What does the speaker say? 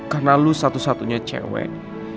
karena lo satu satunya cewek